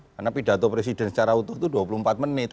karena pidato presiden secara utuh itu dua puluh empat menit